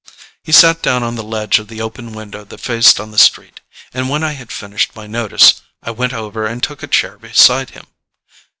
He sat down on the ledge of the open window that faced on the street, and when I had finished my notice I went over and took a chair beside him.